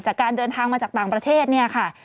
จากการเดินทางมาจากต่างประเทศเนี่ยค่ะ